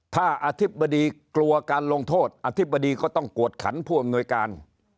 ถ้าอธิบดีกลัวการลงโทษอธิบดีก็ต้องกวดขันผู้อำนวยการ